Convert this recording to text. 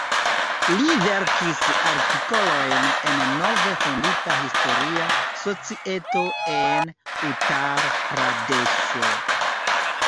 Li verkis artikolojn en nove fondita Historia Societo en Utar-Pradeŝo.